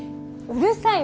うるさい